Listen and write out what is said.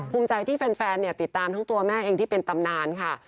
ภูมิใจที่แฟนติดตามทั้งตัวแม่เองที่เป็นตำนานค่ะ